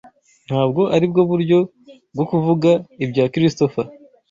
Ntabwo aribwo buryo bwo kuvuga ibya Christopher.